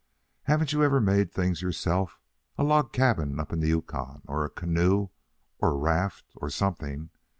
Haven't you ever made things yourself a log cabin up in the Yukon, or a canoe, or raft, or something?